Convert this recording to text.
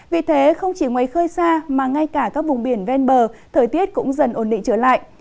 vì thế không chỉ ngoài khơi xa mà ngay cả các vùng biển ven bờ thời tiết cũng dần ổn định trở lại